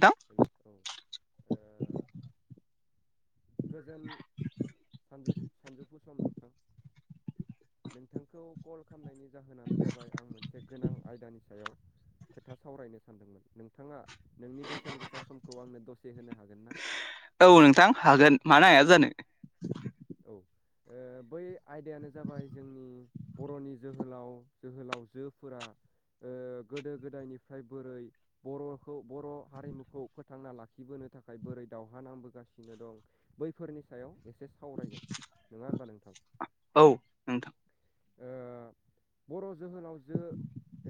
दा औ गोजोन सानसु सानजौफु सम नोंथां नोंथांखौ कल खालामनायनि जाहोनानो जाबाय आं मोनसे गोनां आयदानि सायाव खोथा सावरायनो सानदोंमोन नोंथाङा नोंनि बेसेन गोसा समखौ आंनो दसे होनो हागोन ना? औ नोंथां हागोन मानो हाया जानो औ बै आयदायानो जाबाय जोंनि बर'नि जोहोलाव जोहोलावजोफोरा ओ गोदो गोदायनिफ्राय बोरै बर'खौ बर' हारिमुखौ फोथांना लाखिबोनो थाखाय बोरै दावहा नांबोगासिनो दं बैफोरनि सायाव एसे सावरायगोन नङा होनोमबा नोंथां औ नोंथां ओ बर' जोहोनाव जो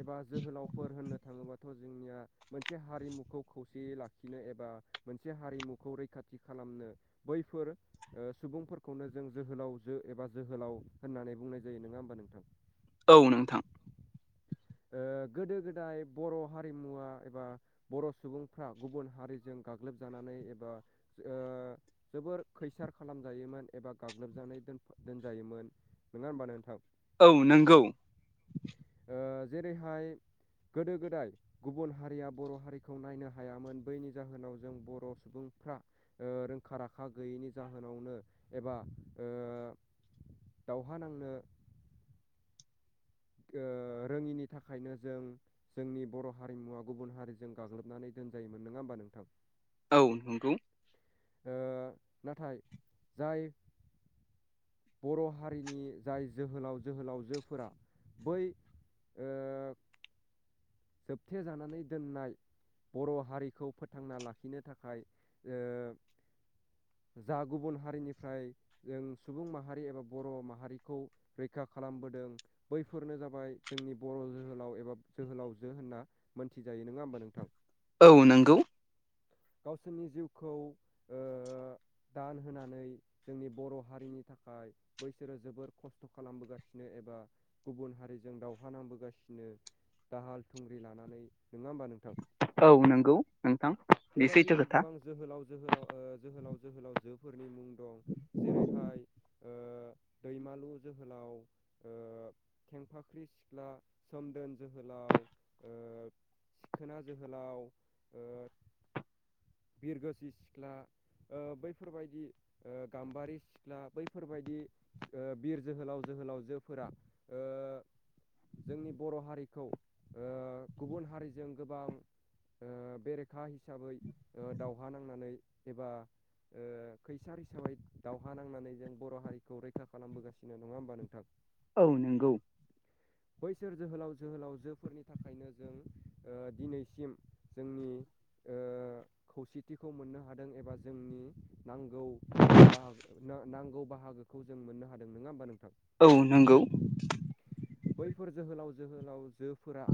एबा जोहोलावफोर होननो थाङोबाथ' जोंनिया मोनसे हारिमुखौ खौसेयै लाखिनो एबा मोनसे हारिमुखौ रैखाथि खालामनो बैफोर सुबुंफोरखौनो जों जोहोलावजो एबा जोहोलाव होननानै बुंनाय जायो। दै नङा होमबा नोंथां औ नोंथां ओ गोदो गोदाय बर' हारिमुवा एबा बर' सुबुंफ्रा गुबुन हारिजों गाग्लोबजानानै एबा जोबोर खैसार खालामजायोमोन एबा गाग्लोबजानाय दोनजायोमोन नङा होमबा नोंथां औ नंगौ। ओ जेरैहाय गोदो गोदाय गुबुन हारिया बर' हारिखौ नायनो हायामोन बैनि जाहोनाव जों बर' सुबुंफ्रा रोंखा राखा गैयैनि जाहोनावनो एबा दावहा नांनो गो-रोङिनि थाखायनो जों जोंनि बर हारिमुवा गुबुन हारिजों गाग्लोबनानै दोनजायोमोन नङा होमबा नोंथां। औ नंगौ ओ-नाथाय जाय बर हारिनि जाय जोहोलाव जोहोलावजोफोरा। बै ओ जोबथे जानानै दोननाय। बर' हारिखौ फोथांना लाखिनो थाखाय ओ जा गुबुन हारिनिफ्राय जों सुबुं माहारि एबा बर' माहारिखौ रैखा खालामबोदों बैफोरनो जाबाय जोंनि बर' जोहोलाव एबा जोहोलाव जों होनना मोनथिजायो नङा होमबा नोंथां। औ नोंगौ। गावसोरनि जिउखौ ओ दान होनानै जोंनि बर' हारिनि थाखाय बैसोरो जोबोर खस्थ खालामबोगासिनो एबा गुबुन हारिजों दावहा नांबोगासिनो दाहाल थुंग्रि लानानै नङा होमबा नोंथां औ नंगौ नोंथां बे बेबायदिनो सैथो खोथा। गोबां जोहोलाव जोहोलाव ओ-जोहोलाव जोहोलावजोफोरनि मुं दं। जेरैहाय ओ-दैमालु जोहोलाव। ओ-खेंफाख्रि सिख्ला सोमदोन जोहोलाव। ओ-सिखोना जोहोलाव ओ बिरगोसि सिख्ला। ओ-बैफोरबायदि ओ-गाम्बारि सिख्ला बैफोरबायदि ओ-बिर जोहोलाव जोहोलावजोफोरा ओ-जोंनि बर हारिखौ। ओ-गुबुन हारिजों गोबां। ओ-बेरेखा हिसाबै ओ-दावहा नांनानै एबा ओ-खैसार हिसाबै दावहा नांनानै जों बर हारिखौ रैखा खालामबोगासिनो नङा होमबा नोंथां? औ नंगौ बैसोर जोहोलाव जोहोलावजोफोरनि। थाखायनो जों ओ-दिनैसिम जोंनि ओ-खौसेथिखौ मोननो हादों एबा जोंनि नांगौ बाहाग नांगौ बाहागोखौ जों मोननो हादों नङा होमबा नोंथां‌? औ नंगौ बैफोर जोहोलाव जोहोलावजोफोरा।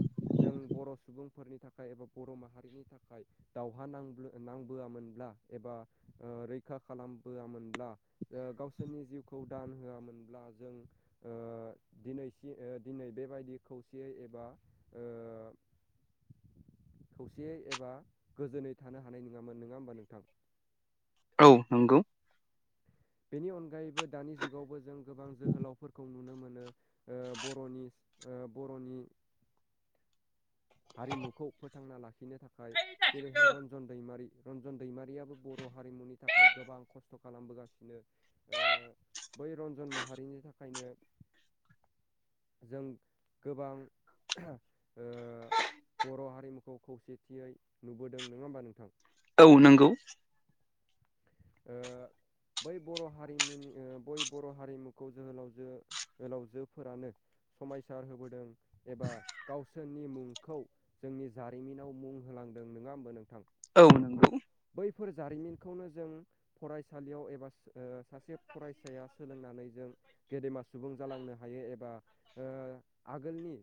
जों बर सुबुंफोरनि थाखाय एबा बर माहारिनि थाखाय दावहा नां नांबोआमोनब्ला एबा रैखा खालामबोआमोनब्ला गावसोरनि जिउखौ दान होआमोनब्ला जों ओ-दिनै दिनै बेबायदि खौसेयै एबा ओ खौसेयै एबा गोजोनै थानो हानाय नङामोन नङा होमबा नोंथां? औ नंगौ बेनि अनगायैबो दानि जुगावबो जों गोबां जोहोलावफोरखौ नुनो मोनो। ओ-बरनि ओ-बरनि हारिमुखौ फोथांना लाखिनो थाखाय जेरैहाय औ रन्जन दैमारि। रन्जन दैमारियाबो बर हारिमुनि थाखाय गोबां खस्थ खालामबोगासिनो। बै रन्जन माहारिनि थाखायनो। जों गोबां ओ बर हारिमुखौ खौसेथियै नुबोदों नङा होनबा नोंथां? औ नंगौ ओ बै बर हारिमुनि बै बर हारिमुखौ जोहोलावजो जोहोलावजोफोरानो। समायसार होबोदों एबा गावसोरनि मुं खौ जोंनि जारिमिनाव मुं होलांदों नङा होमबा नोंथां औ नंगौ बैफोर जारिमिनखौनो जों फरायसालियाव एबा ओ सासे फरायसाया सोलोंनानै जों गेदेमा सुबुं जालांनो हायो एबा ओ आगोलनि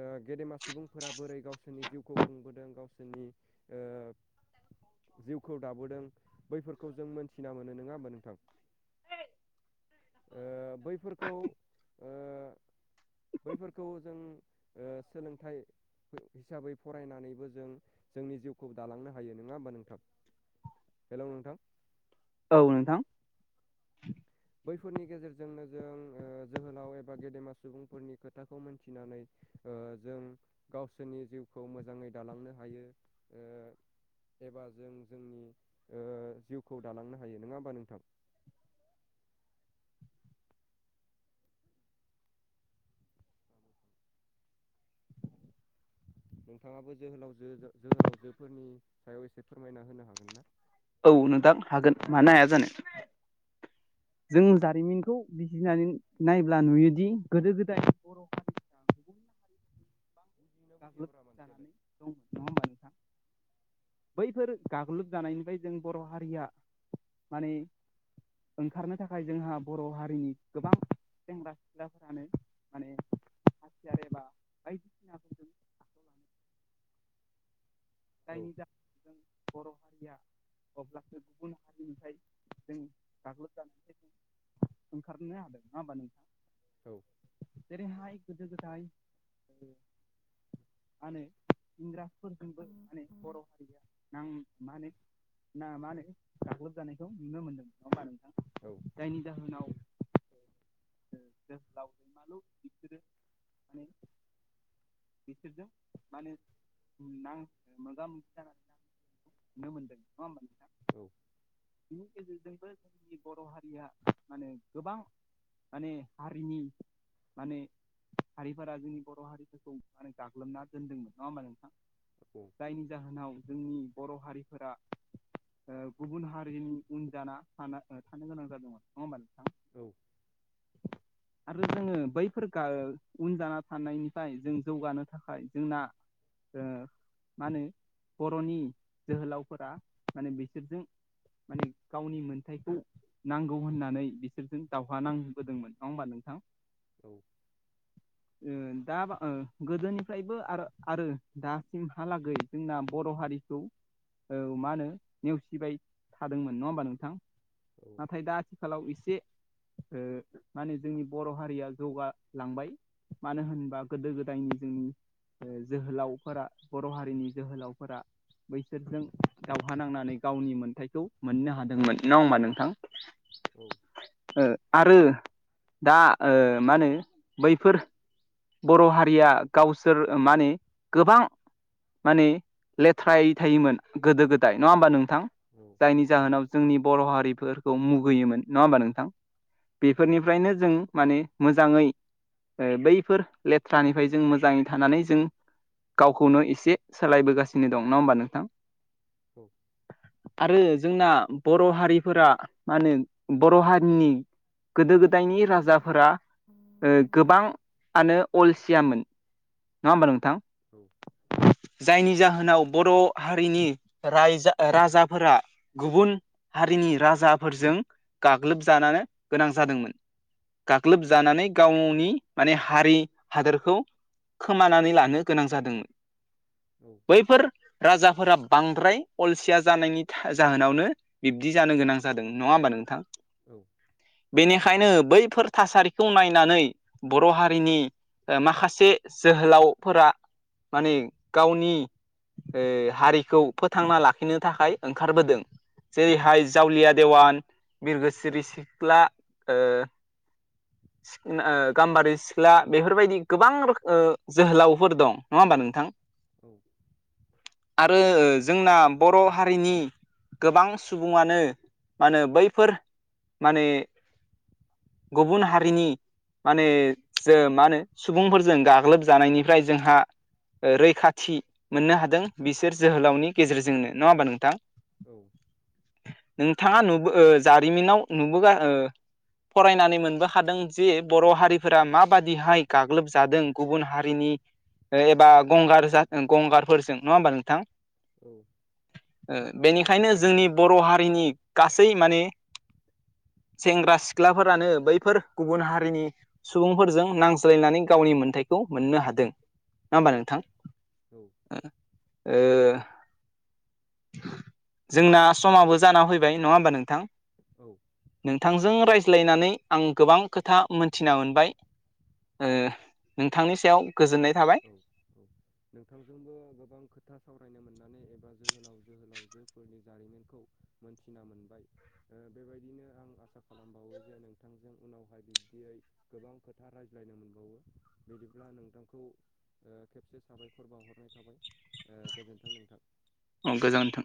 ओ-गेदेमा सुबुंफोरा बोरै गावसोरनि जिउखौ खुंबोदों गावसोरनि ओ जिउखौ दाबोदों बैफोरखौ जों मोनथिना मोनो नङा होमबा नोंथां। ओ-बैफोरखौ ओ बैफोरखौ जों ओ-सोलोंथाइ हिसाबै फरायनानैबो जों जोंनि जिउखौबो दालांनो हायो नङा होमबा नोंथां। हेल नोंथां औ नोंथां बैफोरनि गेजेरजोंनो जों ओ जोहोलाव एबा गेदेमा सुबुंफोरनि खोथाखौ मोनथिनानै ओ जों गावसोरनि जिउखौ मोजाङै दालांनो हायो ओ एबा जों जोंनि ओ जिउखौ दालांनो हायो नङा होमबा नोंथां नोंथांआबो जोहोलावजो जोहोलावजोफोरनि सायाव एसे फोरमायना होनो हागोन ना औ नोंथां हागोन मानो हाया जानो जों जारिमिनखौ बिजिरनानै नायब्ला नुयोदि गोदो गोदाय बर' हारिफ्रा गुबुन गाग्लोब जानानै दंमोन नङा होमबा नोंथां [unintelligible] बैफोर गाग्लोब जानायनिफाय जों बर' हारिआ माने ओंखारनो थाखाय जोंहा बर' हारिनि गोबां सेंग्रा सिख्लाफोरानो माने हाथिया [unintelligible] [unintelligible] आखायाव लानो औ जायनि जाहोन जों बर' हारिया अब्लासो गुबुन हारिनिफ्राय जों गाग्लोबजानायखौ जों ओंखारनो हाबाय नङा होमबा नोंथां? औ जेरैहाय गोदो गोदाय मानो होनो इंराजफोरजोंबो माने बर' हारिआ नां माने ना मा होनो गाग्लोबजानायखौ नुनो मोनदों‌ नङा होमबा नोंथां? औ जायनि जाहोनाव ओ जोहोलाव दैमालु बेसोरो मानि बिसोरजों माने नां मोगा मोगि जानानै नांनायखौ नुनो मोनदों नंआ होमबा नोंथां? औ बेनि गेजेरजोंबो जोंनि बर' हारिआ मा होनो गोबां मानि हारिनि माने हारिफोरा जोंनि बर' हारिफोरखौ मानि गाग्लोबना दोनदोंमोन नङा होमबा नोंथां? औ जायनि जाहोनाव जोंनि बर' हारिफोरा ओ गुबुन हारिनि उन जाना थान थानो गोनां जादोंमोन नङा होमबा नोंथां? औ आरो जोङो बैफोर गा उन जाना थानायनिफ्राय जों जौगानो थाखाय जोंना जोङो मा होनो बर'नि जोहोलावफोरा माने बिसोरजों मानि गावनि मोनथायखौ नांगौ होननानै बिसोरजों दाव [unintelligible] नांबोदोंमोन नङा होमबा नोंथां? औ ओ दा ओ गोदोनिफ्रायबो आरो आरो दासिमहालागै जोंना बर' हारि खौ ओ मा होनो नेवसिबाय थादोंमोन नङा होमबा नोंथां? नाथाय दा आथिखालाव एसे ओ माने जोंनि बर' हारिया जौगालांबाय मानो होनबा गोदो गोदायनि जोंनि ओ जोहोलावफोरा बर' हारिनि जोहोलावफोरा बैसोरजों दावहा नांनानै गावनि मोनथायखौ मोननो हादोंमोन नं नङा होमबा नोंथां? औ ओ आरो दा ओ मा होनो बैफोर बर' हारिआ गावसोर मा होनि गोबां मानि लेथ्रायै थायोमोन गोदो गोदाय नङा होमबा नोंथां? औ औ जायनि जाहोनाव जोंनि बर' हारिफोरखौ मुगैयोमोन नङा होमबा नोंथां? बेफोरनिफ्रायनो जों मानि मोजाङै ओ बैफोर लेथ्रानिफ्राय जों मोजाङै थानानै जों गावखौनो एसे सोलायबोगासिनो दं नङा होमबा नोंथां? औ आरो जोंना बर' हारिफोरा मा होनो बर' हारिनि गोदो गोदायनि राजाफोरा ओ गोबांआनो अलसियामोन नङा होमबा नोंथां? औ जायनि जाहोनाव बर' हारिनि राजाफोरा गुबुन हारिनि राजाफोरजों गाग्लोबजानो गोनां जादोंमोन। गाग्लोबजानानै गावनि माने हारि हादोरखौ खोमानानै लानो गोनां जादोंमोन। औ बैफोर राजाफोरा बांद्राय अलसिया जानायनि जाहोनावनो बिब्दि जानो गोनां जादों नङा होमबा नोंथां? औ बेनिखायनो बैफोर थासारिखौ नायनानै बर' हारिनि ओ माखासे जोहोलावफोरा माने गावनि ओ हारिखौ फोथांना लाखिनो थाखाय ओंखारबोदों। जेरैहाय जावलिया देवान बिरगोसिरि सिख्ला ओ [inaudible] ओ गाम्बारि सिख्ला बेफोरबायदि गोबां रोख- ओ जोहोलावफोर दं नङा होमबा नोंथां? औ आरो जोंना बर' हारिनि गोबां सुबुङानो मा होनो बैफोर माने गुबुन हारिनि माने जों मा होनो सुबुंफोरजों गाग्लोबजानायनिफ्राय जोंहा ओ रैखाथि मोननो हादों बिसोर जोहोलावनि गेजेरजोंनो नङा होमबा नोंथां? औ नोंथाङा नुबो ओ जारिमिनाव नुबोगा ओ फरायनानै मोनबो खादों जे बर' हारिफोरा माबादिहाय गाग्लोबजादों गुबुन हारिनि एबा गंगार गंगारफोरजों नङा होमबा नोंथां औ ओ बेनिखायनो जोंनि बर' हारिनि गासै माने सेंग्रा सिख्लाफोरानो बैफोर गुबुन हारिनि सुबुंफोरजों नांज्लायनानै गावनि मोनथाइखौ मोननो हादों। ना होमबा नोंथां। औ ओ जोंना समाबो जाना फैबाय नङा होमबा नोंथां? औ नोंथांजों रायज्लायनानै आं गोबां खोथा मोनथिना मोनबाय। ओ नोंथांनि सायाव गोजोननाय थाबाय। औ औ नोंथांजोंबो गोबां खोथा सावरायनो मोननानै एबा जोहोलाव जोहोलावजोफोरनि जारिमिनखौ मोनथिना मोनबाय ओ बेबायदिनो आं आसा खालामबावो जे नोंथांजों उनावहाय बिब्दियै गोबां खोथा रायज्लायनो मोनबावो बिदिब्ला नोंथांखौ ओ खेबसे साबायखर बाउहरनाय थाबाय ओ गोजोन्थों नोंथां अ गोजानथों